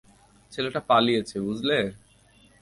ছেলেটা পালিয়েছে, বুঝলে?